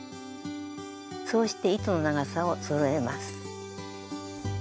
そうして糸の長さをそろえます。